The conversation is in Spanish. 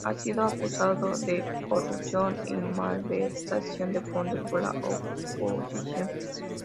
Ha sido acusado de corrupción y malversación de fondos por la oposición.